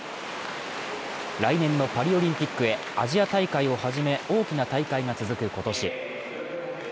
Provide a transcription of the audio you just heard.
来年のパリオリンピックへアジア大会をはじめ大きな大会が続く今年。